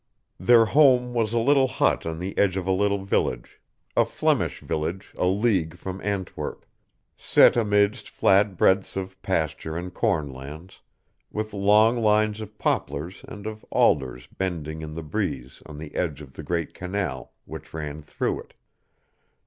Their home was a little hut on the edge of a little village a Flemish village a league from Antwerp, set amidst flat breadths of pasture and corn lands, with long lines of poplars and of alders bending in the breeze on the edge of the great canal which ran through it.